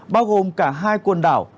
bao gồm cả hai quần đảo